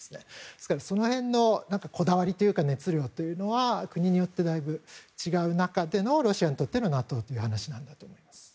ですから、その辺のこだわりというか熱量というのは国によってだいぶ違う中でのロシアにとってのＮＡＴＯという話だと思います。